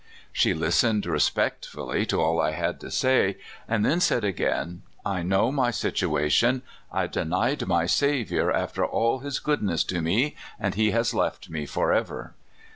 She listened respectfully to all I had to say, and then said again: " I know my situation. I denied m}^ Saviour after all his goodness to me, and he has left me forever."